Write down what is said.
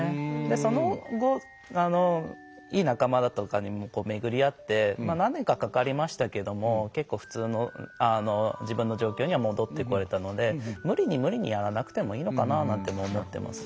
その後、いい仲間だとかに巡り合って何年かかかりましたけど結構、普通の自分の状況には戻ってこれたので無理に無理にやらなくてもいいのかななんても思ってます。